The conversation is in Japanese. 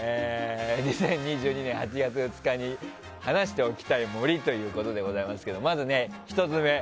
２０２２年８月２日に話しておきたい森ということでまずね、１つ目。